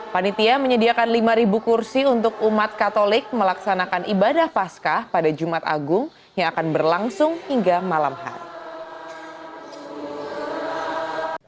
panitia menyediakan lima kursi untuk umat katolik melaksanakan ibadah pasca pada jumat agung yang akan berlangsung hingga malam hari